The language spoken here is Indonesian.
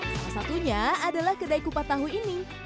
salah satunya adalah kedai kupat tahu ini